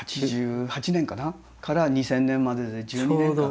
８８年かな？から２０００年までで１２年間。